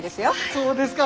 そうですか。